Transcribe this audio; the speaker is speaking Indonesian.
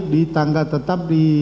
di tanggal tetap